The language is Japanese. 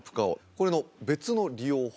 これの別の利用法